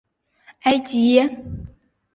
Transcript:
埃吉耶。